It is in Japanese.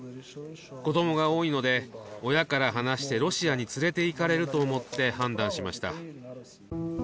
子どもが多いので、親から離してロシアに連れていかれると思って判断しました。